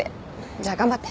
じゃ頑張って。